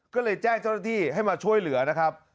ก็เลยแจ้งเจ้าหน้าที่ให้มาช่วยเหลือนะครับ